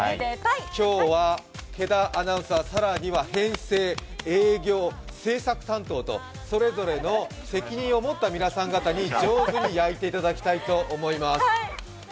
今日は毛田アナウンサー、更には編成、営業、制作担当とそれぞれの責任を持った皆さん方に、上手に焼いていただきたいと思います。